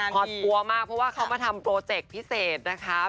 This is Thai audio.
พอกลัวมากเพราะว่าเขามาทำโปรเจกต์พิเศษนะคะ